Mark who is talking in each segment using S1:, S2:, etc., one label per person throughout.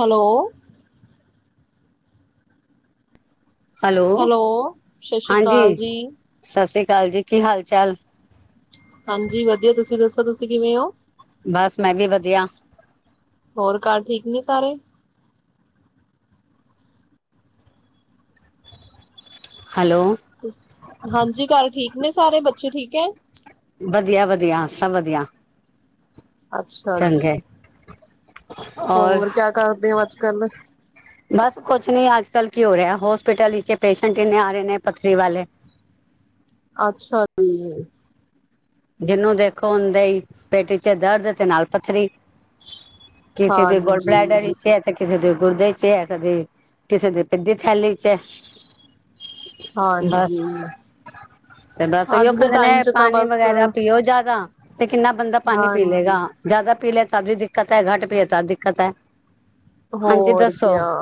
S1: Hello hello, ਸਤਿ ਸ਼੍ਰੀ ਅਕਾਲ
S2: ਹਾਂਜੀ
S1: ਜੀ।
S2: ਸਤਿ ਸ੍ਰੀ ਅਕਾਲ ਜੀ, ਕੀ ਹਾਲ ਚਾਲ?
S1: ਹਾਂਜੀ ਵਧੀਆ, ਤੁਸੀਂ ਦੱਸੋ ਤੁਸੀਂ ਕਿਵੇਂ ਹੋ?
S2: ਬਸ ਮੈਂ ਵੀ ਵਧੀਆ।
S1: ਹੋਰ ਘਰ ਠੀਕ ਨੇ ਸਾਰੇ।
S2: ਹੈਲੋ।
S1: ਹਾਂਜੀ ਘਰ ਠੀਕ ਨੇ ਸਾਰੇ ਬੱਚੇ ਠੀਕ ਹੈ।
S2: ਵਧੀਆ ਵਧੀਆ ਸਭ ਵਧੀਆ।
S1: ਅੱਛਾ ਜੀ,
S2: ਸੰਘ ਹੈ।
S1: ਹੋਰ ਕਿਆ ਕਰਦੇ ਹੋ ਅੱਜ ਕੱਲ।
S2: ਬਸ ਕੁਛ ਨਹੀਂ ਅਜ ਕੱਲ ਕੀ ਹੋ ਰਿਹਾ ਹੋਸਪਿਟਲ ਵਿੱਚ ਪੇਸ਼ੈਂਟ ਇੰਨੇ ਆ ਰਹੇ ਨੇ ਪੱਥਰੀ ਵਾਲੇ।
S1: ਅੱਛਾ। ਜੀ,
S2: ਜਿਹਨੂੰ ਦੇਖੋ ਉਨ੍ਹਾਂ ਦੇ ਹੀ ਪੇਟ ਚ ਦਰਦ ਤੇ ਨਾਲ ਪੱਥਰੀ। ਕਿਸੇ ਦੇ ਗਾਲ ਬਲੈਡਰ
S1: ਹਾਂਜੀ।
S2: ਵਿੱਚ ਏ। ਕਿਸੇ ਦੇ ਗੁਰਦੇ ਚ ਕਦੇ ਕਿਸੇ ਦੇ ਪਿਤ ਦੀ ਥੈਲੀ ਚ ਵੇ। ਬਸ
S1: ਹਾਂਜੀ,
S2: ਤੇ ਬਸ ਉ
S1: ਅੱਜ ਦੇ
S2: ਕੇਹਂਦੇ
S1: ਟਾਈਮ
S2: ਨੇ
S1: ਚ ਤਾਂ
S2: ਪਾਣੀ
S1: ਬਸ
S2: ਵਗੈਰਾ। ਪੀਓ ਜ਼ਿਆਦਾ ਤੇ ਕਿੰਨਾ ਬੰਦਾ ਪਾਣੀ ਪੀ
S1: ਹਾਂਜੀ,
S2: ਲਏਗਾ। ਜ਼ਿਆਦਾ ਪੀ ਲਿਆ ਤ ਵੀ ਦਿੱਕਤ ਹੈ ਘੱਟ ਪੀ ਲ ਤ ਦਿੱਕਤ ਹੈ ਹਾਂਜੀ
S1: ਹੋਰ
S2: ਦੱਸੋ।
S1: ਕਿਆ।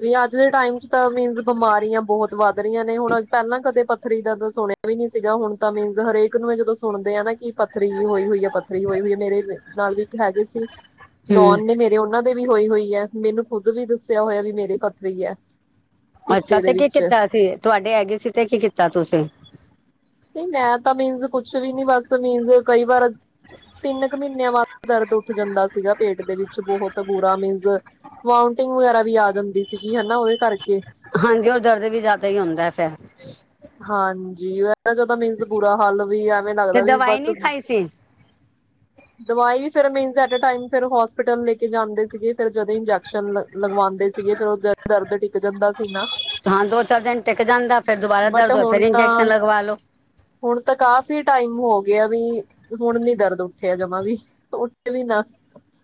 S1: ਵੀ ਅੱਜ ਦੇ ਟਾਈਮ ਚ ਤਾਂ ਮੀਨਸ ਬਿਮਾਰੀਆਂ ਬਹੁਤ ਵੱਧ ਰਹੀਆਂ ਨੇ ਹੁਣ ਪਹਿਲਾਂ ਕਦੇ ਪੱਥਰੀ ਦਾ ਤਾਂ ਸੁਣ। ਵੀ ਨੀ ਸੀਗਾ ਹੁਣ ਤਾਂ ਮੀਨਜ਼ ਹਰੇਕ ਨੂੰ ਜਦੋਂ ਸੁਣਦੇ ਹ ਨਾ ਕਿ ਪੱਥਰੀ ਹੋਈ ਹੋਈ ਹੈ ਪੱਥਰੀ ਹੋਈ ਹੋਈ ਹੈ ਮੇਰੇ। ਨਾਲ ਵੀ ਇੱਕ ਹੈਗੇ ਸੀ
S2: ਹਮ
S1: ਨੌਨ ਨੇ ਮੇਰੇ ਉਹਨਾਂ ਵੀ ਹੋਈ ਹੋਈ ਹੈ ਮੈਨੂੰ ਖੁਦ ਵੀ ਦੱਸਿਆ ਹੋਇਆ ਵੀ ਮੇਰੇ ਪਥ ਹੀ ਹੈ
S2: ਅੱਛਾ
S1: ਪਿੱਤੇ
S2: ਤੇ
S1: ਦੇ
S2: ਕੀ
S1: ਵਿੱਚ
S2: ਕੀਤਾ ਸੀ ਤੁਹਾਡੇ ਹੈਗੇ ਸੀ ਤੇ ਕੀ ਕੀਤਾ ਤੁਸੀਂ
S1: ਨਹੀਂ ਮੈਂ ਤਾਂ ਮੀਨਸ ਕੁਛ ਵੀ ਨੀ ਬਸ ਮੀਨਸ ਕਈ ਵਾਰ ਤਿੰਨ ਕੁ ਮਹੀਨਿਆਂ ਬਾਅਦ ਦਰਦ ਉੱਠ ਜਾਂਦਾ ਸੀਗਾ ਪੇਟ ਦੇ ਵਿੱਚ ਬਹੁਤ ਬੁਰਾ ਮੀਨਜ਼ ਵਾਊਂਟਿੰਗ ਵਗੈਰਾ ਵੀ ਆ ਜਾਂਦੀ ਸੀਗੀ ਹਨਾ ਉਹਦੇ ਕਰਕੇ।
S2: ਹਾਂਜੀ ਓ ਦਰਦ ਵੀ ਜ਼ਿਆਦਾ ਹੀ ਹੁੰਦਾ ਫੇਰ।
S1: ਹਾਂਜੀ ਚਦਾ ਮੀਨਸ ਬੁਰਾ ਹਾਲ ਵੀ ਐਵੇਂ
S2: ਤੇ
S1: ਲੱਗਦਾ ਵੀ
S2: ਦਵਾਈ
S1: ਬਸ।
S2: ਨਹੀਂ ਖਾਈ ਸੀ
S1: ਦਵਾਈ ਵੀ ਫਿਰ means at a time hospital ਲੈਕੇ ਜਾਂਦੇ ਸੀਗੇ ਫ ਜਦੋਂ। ਲਗਵਾਉਂਦੇ ਸੀਗੇ ਫੇਿਰ ਉਹ ਦਰਦ ਟਿਕ ਜਾਂਦਾ ਸੀ ਨਾ।
S2: ਹਾਂ ਦੋ ਚਾਰ ਦਿਨ ਟਿੱਕ ਜਾਂਦਾ ਫੇਰ ਦੁਬਾਰਾ
S1: ਬਟ
S2: ਦਰਦ ਹੋਏ ਫੇਰ
S1: ਹੁਣ
S2: ਇੰਜੈਕਸ਼ਨ
S1: ਤਾਂ
S2: ਲਗਵਾ ਲੋ।
S1: ਹੁਣ ਤਾਂ ਕਾਫ਼ੀ ਟਾਈਮ ਹੋ ਗਿਆ ਵੀ ਹੁਣ ਨੀ ਦਰਦ ਉੱਠਿਆ ਜਮਾਂ ਵੀ। ਉੱਠੇ ਵੀ ਨਾ।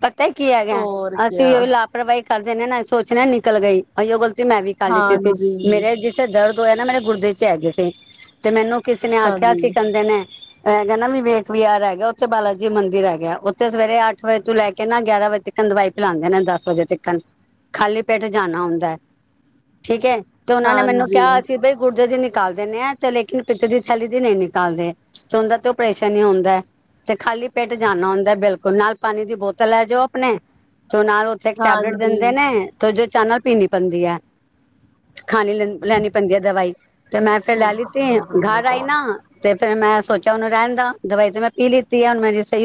S2: ਪਤਾ ਹੀ ਕੀ ਹੈਗਾ
S1: ਹੋਰ ਕਿਆ
S2: ਅਸੀਂ ਉਹ ਲਾਪਰਵਾਹੀ ਕਰਦੇਿੰਦੇ ਹਾਂ ਨਾ ਅਸੀਂ ਸੋਚਣੇ ਹਾਂ ਨਿਕਲ ਗਈ ਅਸੀ ਉਹ ਗਲਤੀ ਮੈਂ ਵੀ। ਾਲੀ ਤੇ ਸੀ
S1: ਹਾਂਜੀ
S2: ਮੇਰੇ ਜਿਸ। ੇ ਦਰਦ ਹੋਇਆ ਨਾ ਮੇਰੇ ਗੁਰਦੇ ਚ ਹੈਗੇ ਸੀ ਤੇ ਮੈਨੂੰ ਕਿਸੇ ਨੇ
S1: ਅੱਛਾ
S2: ਆਖਿਆ ਕੀ
S1: ਜੀ
S2: ਕਹਿੰਦੇ ਨੇ। ਹੈਗਾ ਨਾ ਵਿਵੇਕ ਵਿਹਾਰ ਹੈਗਾ ਉੱਥੇ ਬਾਲਾ ਜੀ ਮੰਦਿਰ ਹੈਗਾ ਉੱਥੇ ਸਵੇਰੇ ਅੱਠ ਵਜੇ। ਤੂੰ ਲੈ ਕੇ ਨਾ ਗਿਆਰ ਵਜੇ ਤੱਕ ਦਵਾਈ ਪਿਲਾਉਂਦੇ ਨੇ ਦਸ ਵਜੇ ਤੱਕ। ਖਾਲੀ ਪੇਟ ਜਾਣਾ ਹੁੰਦਾ ਹੈ ਠੀਕ ਹੈ ਤੇ ਉਹਨਾ ਨੇ ਮੈਨੂੰ ਕਿਹਾ
S1: ਹਾਂਜੀ
S2: ਅ ਸੀ ਬਈ ਗੁਰਦੇ ਦੀ। ਨਿਕਾਲ ਦਿੰਦੇ ਆ ਤੇ ਲੇਕਿਨ ਪਿਤ ਦੀ ਥੈਲੀ ਦੀ ਨਹੀਂ ਨਿਕਾਲਦੇ ਉਹਦਾ ਤੇ ਉਪਰਾਸ਼ਨ ਹੁੰਦਾ ਹੈ। ਤੇ ਖਾਲੀ ਪੇਟ ਜਾਣਾ ਹੁੰਦਾ ਬਿਲਕੁਲ ਨਾਲ। ਪਾਣੀ ਦੀ ਬੋਤਲ ਲੈ ਜਾਓ ਆਪਣੇ ਤੇ ਨਾਲ ਉੱਥੇ ਟੈਬਲੇਟ ਦਿੰਦੇ
S1: ਹਾਂਜੀ
S2: ਨੇ। ਤੇ ਜੋ ਚਾਹ ਨਾਲ ਪੀਣੀ ਪੈਂਦੀ ਹੈ ਖਾਣੀ ਲ ਲੈਣੀ ਪੈਂਦੀ ਹੈ ਦਵਾਈ। ਤੇ ਮੈਂ ਫੇਿਰ ਲਾ ਲਤੀ ਘਰ ਆਈ ਨਾ। ਤੇ ਫੇਿਰ ਮੈਂ ਸੋਚਿਆ ਉਹਨੂੰ ਰਹਿਣ ਦਾ ਦਵਾਈ ਤੇ ਮੈਂ ਪੀ ਲਿੱਤੀ ਹੈ ਹੁਣ ਮੇਰੀ ਸਹੀ।